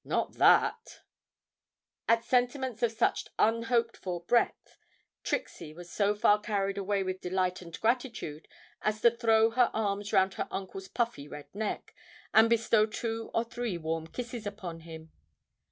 Not that!' At sentiments of such unhoped for breadth, Trixie was so far carried away with delight and gratitude as to throw her arms round her uncle's puffy red neck, and bestow two or three warm kisses upon him.